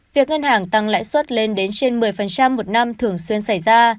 việc ngân hàng tăng lãi suất lên đến trên một mươi một năm thường xuyên xảy ra